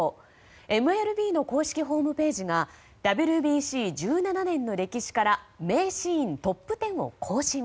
ＭＬＢの公式ホームページがＷＢＣ１７年の歴史から名シーントップ１０を更新。